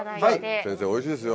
先生おいしいですよ。